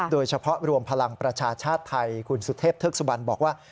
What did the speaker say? โดยเฉพาะรวมพลังประชาชาติไทยคุณสุเทพเทือกสุบันบอกว่า